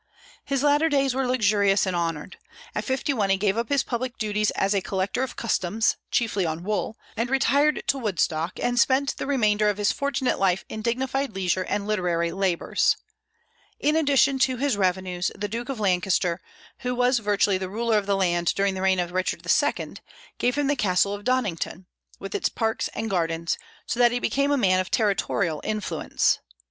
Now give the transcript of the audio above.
His latter days were luxurious and honored. At fifty one he gave up his public duties as a collector of customs, chiefly on wool, and retired to Woodstock and spent the remainder of his fortunate life in dignified leisure and literary labors. In addition to his revenues, the Duke of Lancaster, who was virtually the ruler of the land during the reign of Richard II., gave him the castle of Donnington, with its park and gardens; so that he became a man of territorial influence.